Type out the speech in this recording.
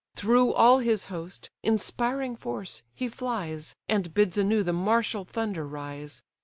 Through all his host, inspiring force, he flies, And bids anew the martial thunder rise.